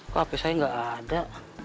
kok api saya nggak ada